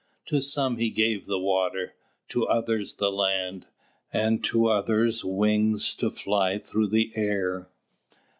To some he gave the water, to others the land, and to others wings to fly through the air.